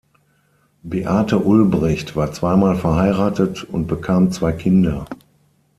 Beate Ulbricht war zweimal verheiratet und bekam zwei Kinder.